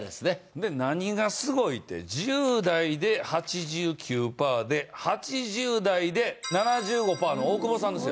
何がすごいって１０代で８９パーで８０代で７５パーの大久保さんですよ。